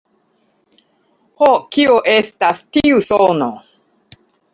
Ho, kio estas tiu sono?